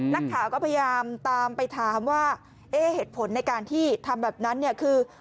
นักข่าวก็พยายามตามไปถามว่าเอ๊ะเหตุผลในการที่ทำแบบนั้นเนี่ยคือ